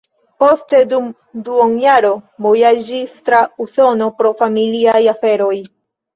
Poste dum duonjaro vojaĝis tra Usono pro familiaj aferoj.